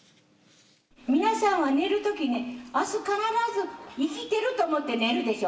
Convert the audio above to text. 皆さんは寝るときね、あす、必ず生きてると思って寝るでしょ。